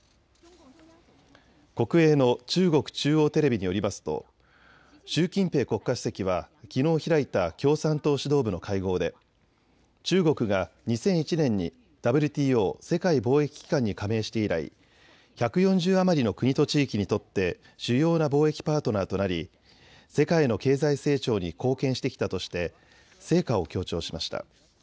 国営の中国中央テレビによりますと習近平国家主席はきのう開いた共産党指導部の会合で中国が２００１年にＷＴＯ・世界貿易機関に加盟して以来、１４０余りの国と地域にとって主要な貿易パートナーとなり世界の経済成長に貢献してきたとして成果を強調しました。